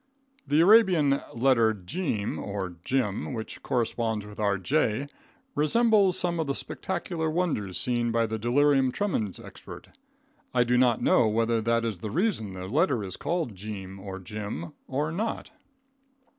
The Arabian letter "jeem" or "jim," which corresponds with our J, resembles some of the spectacular wonders seen by the delirium tremons expert. I do not know whether that is the reason the letter is called jeem or jim, or not.